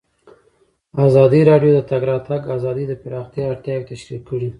ازادي راډیو د د تګ راتګ ازادي د پراختیا اړتیاوې تشریح کړي.